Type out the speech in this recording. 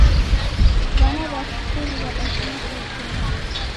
W'ana w'a skulu w'adafuma saa ikenda.